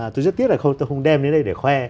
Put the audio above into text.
tôi rất tiếc là khâu tôi không đem đến đây để khoe